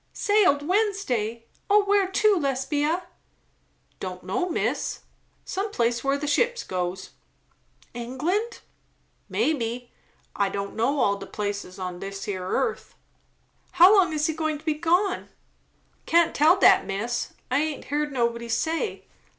"Sailed Wednesday? O where to, Lesbia?" "Don' know, miss; some place where the ships goes." "England?" "Mebbe. I doesn't know all de places on dis yere arth." "How long is he going to be gone?" "Can't tell dat, miss. I haint heerd nobody say.